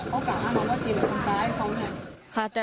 น้องผู้หญิงเนี่ยก็กล่าวว่าจริงแล้วทำปลายเขาไง